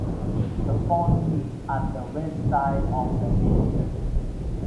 The font is at the west side of the nave.